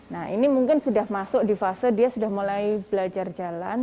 nah ini mungkin sudah masuk di fase dia sudah mulai belajar jalan